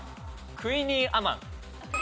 クイニーアマン。